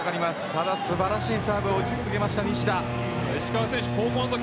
ただ素晴らしいサーブを打ち続けた西田です。